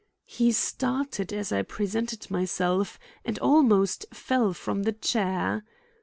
He started as I presented myself and almost fell from the chair.